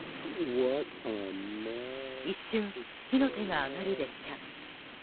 一瞬、火の手が上がる列車。